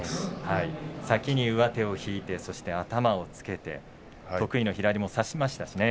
先に上手を引いて頭をつけて得意の左も差しましたしね。